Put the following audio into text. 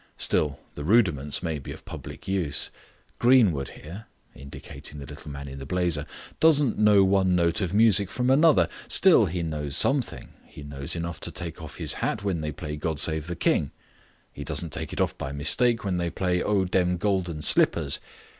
Still, the rudiments may be of public use. Greenwood here," indicating the little man in the blazer, "doesn't know one note of music from another. Still, he knows something. He knows enough to take off his hat when they play 'God Save the King'. He doesn't take it off by mistake when they play 'Oh, Dem Golden Slippers'.